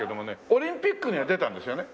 オリンピックには出たんですよね？